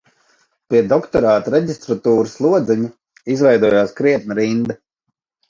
Pie doktorāta reģistratūras lodziņa izveidojās krietna rinda